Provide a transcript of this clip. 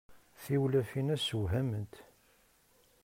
Tiwlafin-a ssewhament.